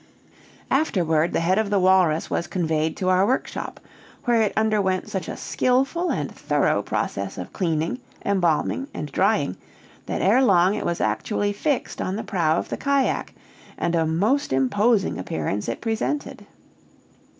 Afterward, the head of the walrus was conveyed to our workshop; where it underwent such a skillful and thorough process of cleaning, embalming, and drying, that ere long it was actually fixed on the prow of the cajack, and a most imposing appearance it presented!